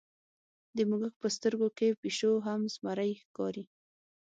د موږک په سترګو کې پیشو هم زمری ښکاري.